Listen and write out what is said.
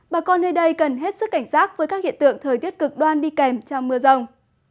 bà con nơi đây cần hết sức cảnh giác với các hiện tượng thời tiết cực đoan đi kèm trong mưa rông